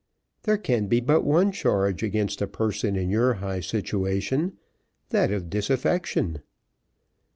"There can be but one charge against a person in your high situation, that of disaffection."